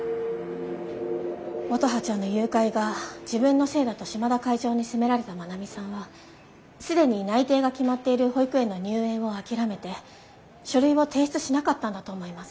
乙葉ちゃんの誘拐が自分のせいだと島田会長に責められた真奈美さんは既に内定が決まっている保育園の入園を諦めて書類を提出しなかったんだと思います。